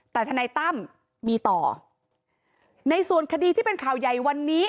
แต่ทนายตั้มมีต่อในส่วนคดีที่เป็นข่าวใหญ่วันนี้